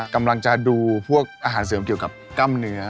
กำลังจะดูพวกอาหารเสริมเกี่ยวกับกล้ามเนื้อ